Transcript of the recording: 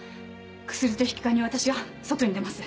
薬と引き換えに私が外に出ます。